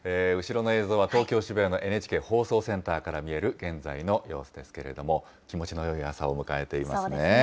後ろの映像は東京・渋谷のＮＨＫ放送センターから見える現在の様子ですけれども、気持ちのよい朝を迎えていますね。